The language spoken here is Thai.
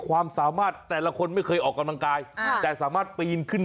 เกิดอะไรห์คนเหมือนกันหมดเลย